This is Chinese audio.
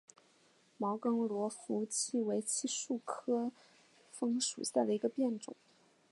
毛梗罗浮槭为槭树科枫属下的一个变种。